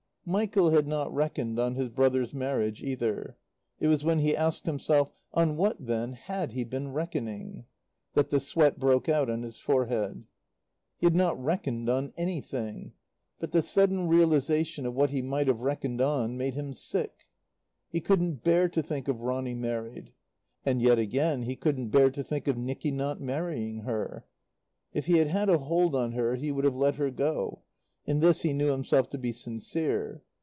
Michael had not reckoned on his brother's marriage, either. It was when he asked himself: "On what, then, had he been reckoning?" that the sweat broke out on his forehead. He had not reckoned on anything. But the sudden realization of what he might have reckoned on made him sick. He couldn't bear to think of Ronny married. And yet again, he couldn't bear to think of Nicky not marrying her. If he had had a hold on her he would have let her go. In this he knew himself to be sincere.